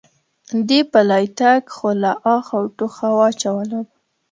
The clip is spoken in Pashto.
دې پلی تګ خو له آخه او ټوخه واچولم.